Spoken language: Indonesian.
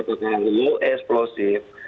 atau yang low explosive